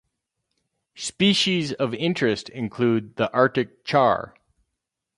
Species of interest include the Arctic char.